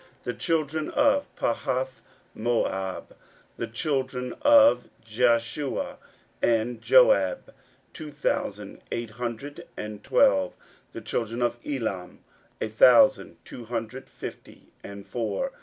16:007:011 The children of Pahathmoab, of the children of Jeshua and Joab, two thousand and eight hundred and eighteen. 16:007:012 The children of Elam, a thousand two hundred fifty and four.